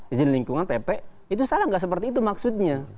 izin lingkungan pp itu salah nggak seperti itu maksudnya